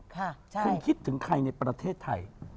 คุณคิดถึงใครในประเทศไทย